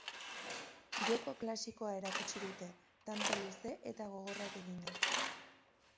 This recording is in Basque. Joko klasikoa erakutsi dute, tanto luze eta gogorrak eginez.